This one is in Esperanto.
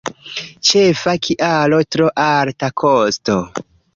Ĉefa kialo: tro alta kosto.